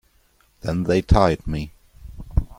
Then they tied me.